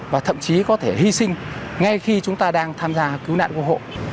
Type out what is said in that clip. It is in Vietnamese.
và thậm chí có thể hy sinh ngay khi chúng ta đang tham gia cứu nạn cứu hộ